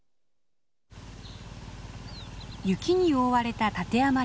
雪に覆われた立山連峰。